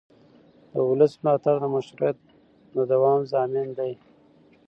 د ولس ملاتړ د مشروعیت د دوام ضامن دی